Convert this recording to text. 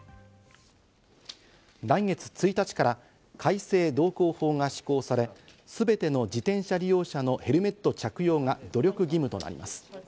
来月１日から改正道交法が施行され、すべての自転車利用者のヘルメット着用が努力義務となります。